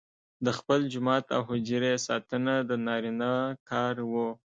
د خپل جومات او حجرې ساتنه د نارینه کار وو.